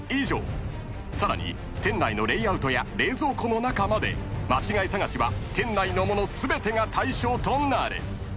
［さらに店内のレイアウトや冷蔵庫の中まで間違い探しは店内の物全てが対象となる］